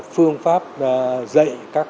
phương pháp dạy các